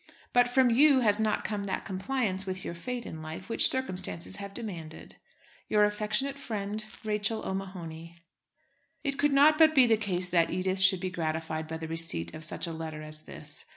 But from you has not come that compliance with your fate in life which circumstances have demanded. Your affectionate friend, RACHEL O'MAHONY. It could not but be the case that Edith should be gratified by the receipt of such a letter as this.